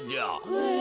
へえ。